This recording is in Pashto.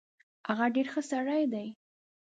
هغه ډیر خه سړی دی